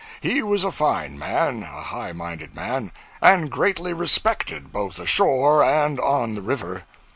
He was a fine man, a high minded man, and greatly respected both ashore and on the river.